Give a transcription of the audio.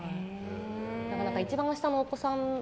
だから一番下のお子さん。